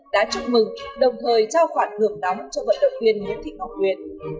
đã chúc mừng đồng thời trao khoản hưởng đóng cho vận động viên nguyễn thị ngọc huyền